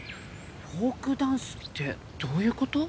フォークダンスってどういう事？